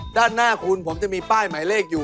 ด้านหน้าคุณผมจะมีป้ายหมายเลขอยู่